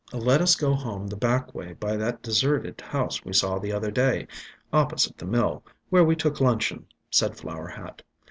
"Let us go home the back way by that deserted house we saw the other day, opposite the mill, where we took luncheon," said Flower Hat.